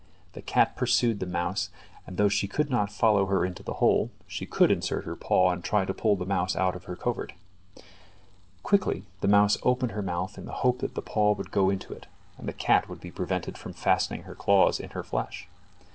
The cat pursued the mouse, and though she could not follow her into the hole, she could insert her paw and try to pull the mouse out of her covert. Quickly the mouse opened her mouth in the hope that the paw would go into it, and the cat would be prevented from fastening her claws in her flesh.